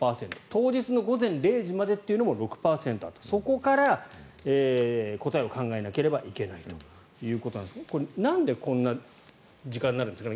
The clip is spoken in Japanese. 当日の午前０時までっていうのも６％あってそこから、答えを考えなければいけないということですがこれ、なんでこんな時間になるんですか？